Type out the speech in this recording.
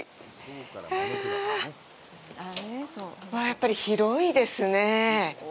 やっぱり、広いですねぇ。